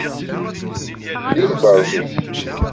Di lbeṛǧ-ik.